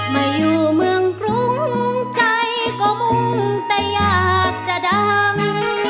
มาอยู่เมืองกรุงใจก็มุ่งแต่อยากจะดัง